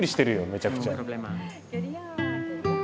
めちゃくちゃ。